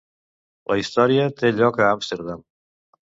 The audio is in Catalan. La història té lloc a Amsterdam.